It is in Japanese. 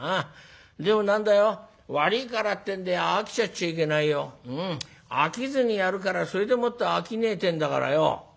でも何だよ悪いからってんで飽きちゃっちゃいけないよ。飽きずにやるからそれでもって商いってんだからよ」。